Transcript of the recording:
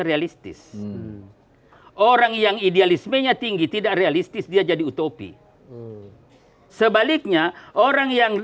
realistis orang yang idealismenya tinggi tidak realistis dia jadi utopi sebaliknya orang yang